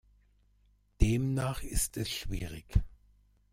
Demnach ist es schwierig.